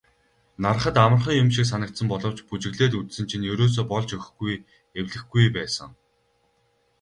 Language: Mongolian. Hарахад амархан юм шиг санагдсан боловч бүжиглээд үзсэн чинь ерөөсөө болж өгөхгүй эвлэхгүй байсан.